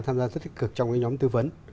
tham gia rất tích cực trong cái nhóm tư vấn